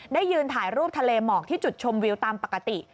ยืนถ่ายรูปทะเลหมอกที่จุดชมวิวตามปกติ